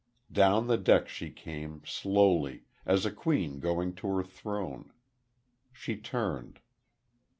Down the deck she came, slowly, as a queen going to her throne. She turned....